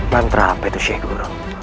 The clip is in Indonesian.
mantra apa itu sheikh guru